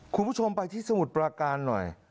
คุณผู้ชมไปที่สมุทรปราการหน่อย